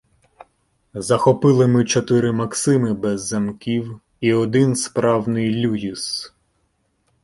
Захопили ми чотири "Максими" без замків і один справний "Люїс".